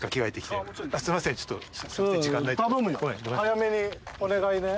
早めにお願いね。